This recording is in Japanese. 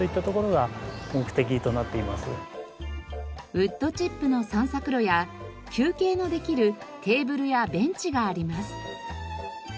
ウッドチップの散策路や休憩のできるテーブルやベンチがあります。